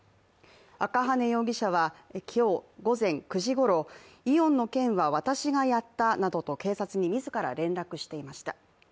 赤羽容疑者は、今日午前９時ごろイオンの件は私がやったなどと警察に自ら連絡していました。